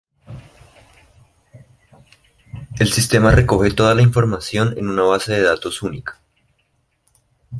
El Sistema recoge toda la información en una base de datos única.